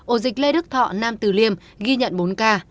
ổ dịch lê đức thọ nam từ liêm ghi nhận bốn ca